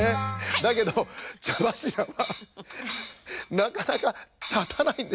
だけど茶柱はなかなかたたないんですよ。